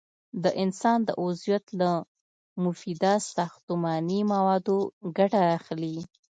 د انسان د عضویت له مفیده ساختماني موادو ګټه اخلي.